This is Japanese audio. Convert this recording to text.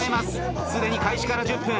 すでに開始から１０分。